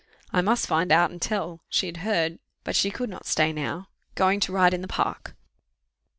I must find out and tell: she had heard but she could not stay now going to ride in the park.